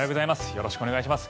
よろしくお願いします。